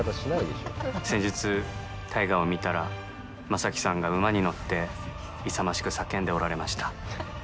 先日、大河を見たら将暉さんが馬に乗って勇ましく叫んでおられました。